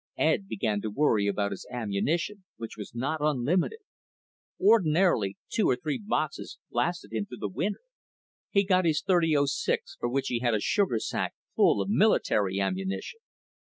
Ed began to worry about his ammunition, which was not unlimited. Ordinarily, two or three boxes lasted him through the winter. He got his .30 06, for which he had a sugar sack full of military ammunition.